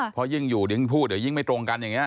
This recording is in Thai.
เพราะยิ่งอยู่ยิ่งพูดเดี๋ยวยิ่งไม่ตรงกันอย่างนี้